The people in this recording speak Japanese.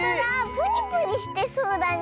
プニプニしてそうだね